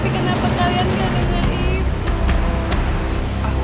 tapi kenapa kalian gak denger ibu